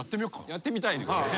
やってみたいね。